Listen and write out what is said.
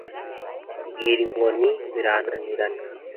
bwira inkoni, 'birananirana.'